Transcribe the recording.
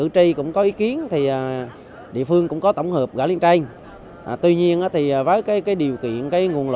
triều cường xâm thực